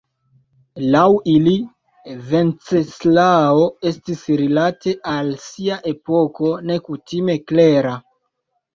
Laŭ ili Venceslao estis rilate al sia epoko nekutime klera.